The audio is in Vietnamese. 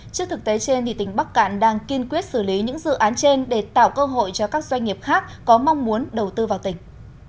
trước thực tế trên tỉnh bắc cạn đang kiên quyết xử lý những dự án trên để tạo cơ hội cho các doanh nghiệp khác có mong muốn đầu tư vào tỉnh